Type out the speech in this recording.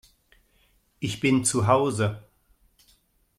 Ich bin zu Hause